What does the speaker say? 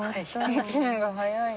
１年が早い。